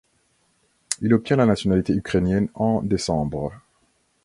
Il obtient la nationalité ukrainienne en décembre.